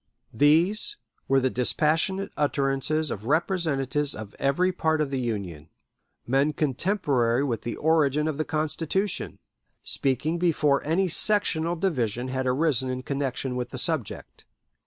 These were the dispassionate utterances of representatives of every part of the Union men contemporary with the origin of the Constitution, speaking before any sectional division had arisen in connection with the subject.